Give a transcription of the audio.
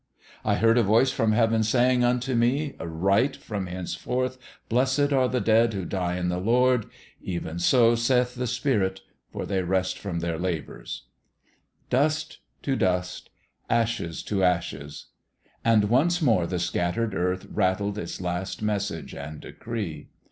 .../ heard a voice from heaven saying imto me, Write, From henceforth blessed SOWN IN DISHONOUR 55 are the dead who die in the Lord ; even so saith the Spirit ; for they rest from their labours. ... Dust to dust, ashes to ashes and once more the scattered earth rattled its last message and decree.